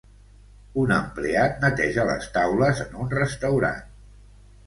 Un empleat neteja les taules en un restaurant.